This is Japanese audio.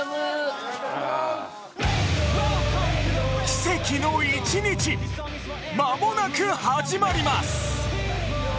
奇跡の一日まもなく始まります！